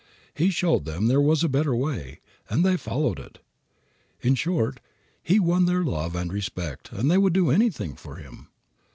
He showed them there was a better way, and they followed it. In short, he won their love and respect and they would do anything for him.